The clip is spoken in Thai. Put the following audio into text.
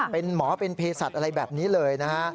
เป็นหมอเป็นเพศสัตว์อะไรแบบนี้เลยนะฮะ